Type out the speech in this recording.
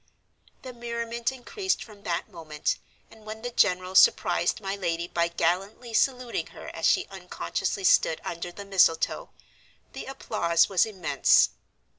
The merriment increased from that moment, and when the general surprised my lady by gallantly saluting her as she unconsciously stood under the mistletoe, the applause was immense.